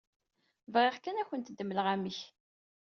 Bɣiɣ kan ad kent-d-mmleɣ amek.